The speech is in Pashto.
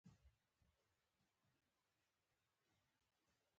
پوستکي او هډونو کې یې د غوښه خور خاصیت پیدا کېږي.